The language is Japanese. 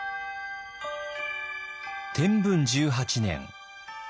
天文１８年。